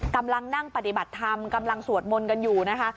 กำลังนั่งปฏิบัติธรรมกำลังสวดมนต์กันอยู่นะคะ